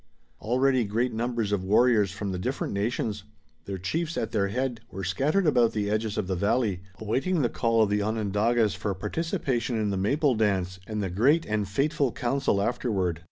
Already great numbers of warriors from the different nations, their chiefs at their head, were scattered about the edges of the valley awaiting the call of the Onondagas for participation in the Maple Dance, and the great and fateful council afterward.